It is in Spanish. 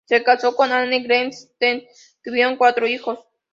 Se casó con Ann Greenleaf en Natchez y tuvieron cuatro hijos.